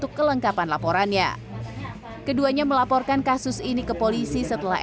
jadi akhirnya saya melakukan tindakan ini kepada si pelaku